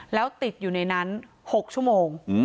แล้วติดอยู่ในนั้น๖ชั่วโมง